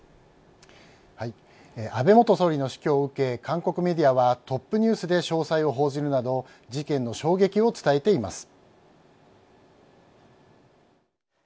安倍元総理の死去を受け韓国メディアはトップニュースで詳細を報じるなど事件の衝撃を伝えています。